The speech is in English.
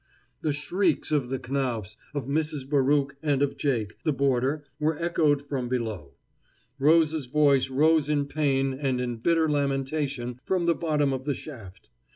The shrieks of the Knauffs, of Mrs. Baruch, and of Jake, the boarder, were echoed from below. Rose's voice rose in pain and in bitter lamentation from the bottom of the shaft.